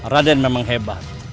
raden memang hebat